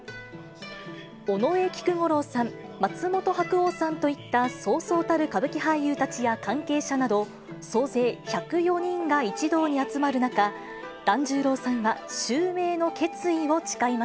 尾上菊五郎さん、松本白鸚さんといったそうそうたる歌舞伎俳優たちや関係者など、総勢１０４人が一堂に集まる中、團十郎さんが襲名の決意を誓い